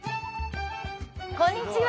こんにちは。